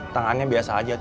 tangannya biasa aja